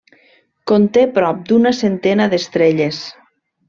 Conté prop d'una centena d'estrelles.